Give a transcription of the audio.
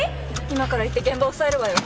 今から行って現場押さえるわよ。